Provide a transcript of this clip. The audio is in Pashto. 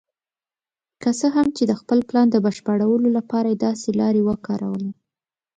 که څه هم چې د خپل پلان د بشپړولو لپاره یې داسې لارې وکارولې.